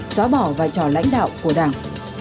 xóa bỏ vai trò lãnh đạo của đảng